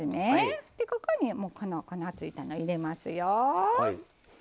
ここにもうこの粉ついたの入れますよ。